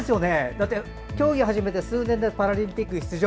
だって競技を始めて数年でパラリンピック出場。